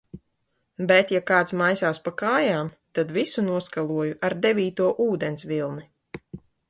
Bet ja kāds maisās pa kājām, tad visu noskaloju ar devīto ūdens vilni.